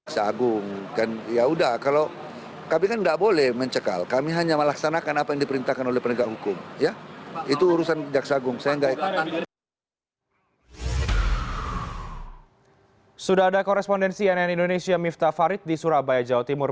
sudah ada korespondensi cnn indonesia miftah farid di surabaya jawa timur